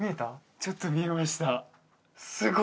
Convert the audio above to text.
ちょっと見えました